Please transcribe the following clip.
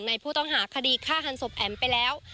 ผู้ต้องหาคดีฆ่าหันศพแอ๋มไปแล้ว